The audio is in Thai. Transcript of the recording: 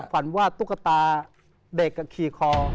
ฝันว่าตุ๊กตาเด็กขี่คอ